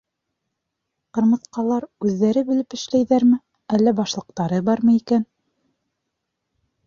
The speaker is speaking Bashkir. Ҡырмыҫҡалар үҙҙәре белеп эшләйҙәрме, әллә башлыҡтары бармы икән?